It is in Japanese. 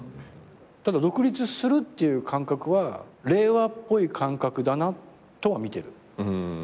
ただ独立するっていう感覚は令和っぽい感覚だなとは見てる。